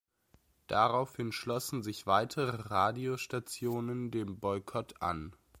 Daraufhin schlossen sich weitere Radiostationen dem Boykott an.